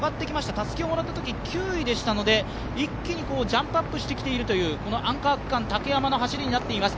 たすきをもらったとき９位でしたので、一気にジャンプアップしてきているというアンカー区間竹山の走りになっています。